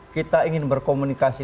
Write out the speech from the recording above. kita ingin berkomunikasi